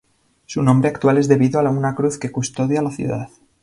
Su nombre actual es debido a una cruz que custodia la ciudad.